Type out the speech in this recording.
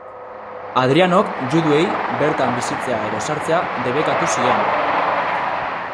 Hadrianok juduei bertan bizitzea edo sartzea debekatu zien.